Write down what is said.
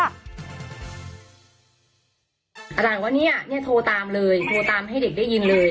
อาจารย์บอกว่าเนี่ยโทรตามเลยโทรตามให้เด็กได้ยินเลย